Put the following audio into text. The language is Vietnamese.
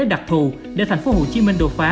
cơ chế đặc thù để thành phố hồ chí minh đột phá